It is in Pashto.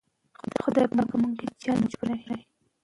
که میندې غزل ووايي نو ذوق به نه وي مړ.